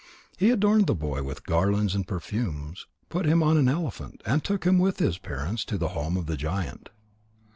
He adorned the boy with garlands and perfumes, put him on an elephant, and took him with his parents to the home of the giant.